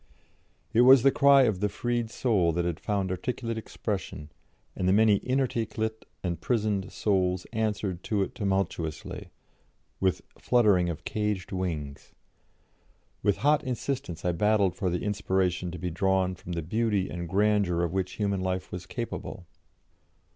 It was the cry of the freed soul that had found articulate expression, and the many inarticulate and prisoned souls answered to it tumultously, with fluttering of caged wings. With hot insistence I battled for the inspiration to be drawn from the beauty and grandeur of which human life was capable.